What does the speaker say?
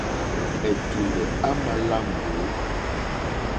Ɛ̀tùlɛ̀ á mā lá mbǒ.